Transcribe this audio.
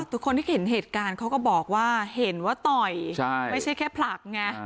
แต่คนที่เห็นเหตุการณ์เขาก็บอกว่าเห็นว่าต่อยไม่ใช่แค่ผลักไง